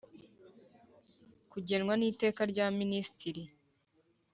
Kugenwa n iteka rya minisitiri